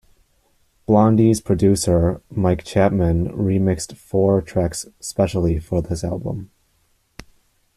Blondie's producer Mike Chapman remixed four tracks specially for this album.